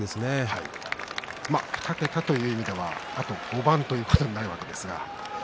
２桁という意味ではあと５番ということになりますね。